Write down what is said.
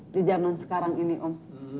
di zaman sekarang ini om